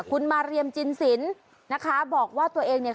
คุณมาเรียมจินสินนะคะบอกว่าตัวเองเนี่ย